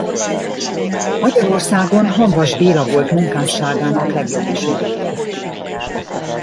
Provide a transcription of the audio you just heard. Magyarországon Hamvas Béla volt munkásságának legjobb ismerője.